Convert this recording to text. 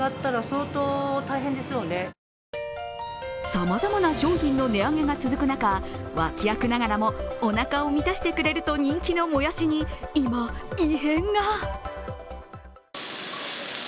さまざまな商品の値上げが続く中、脇役ながらも、おなかを満たしてくれると人気のもやしに今、異変が。